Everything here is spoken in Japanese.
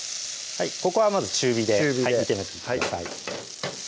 ここはまず中火で炒めていってください